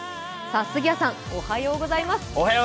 杉谷さん、おはようございます。